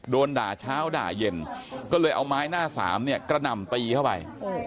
โดนด่าเช้าด่าเย็นก็เลยเอาไม้หน้าสามเนี่ยกระหน่ำตีเข้าไป